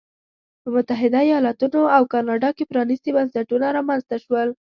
په متحده ایالتونو او کاناډا کې پرانیستي بنسټونه رامنځته شول.